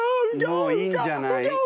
もういいんじゃない？